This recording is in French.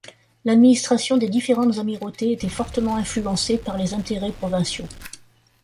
L'administration des différentes Amirautés était fortement influencée par les intérêts provinciaux.